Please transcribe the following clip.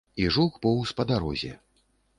І жук поўз па дарозе.